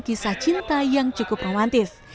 kisah cinta yang cukup romantis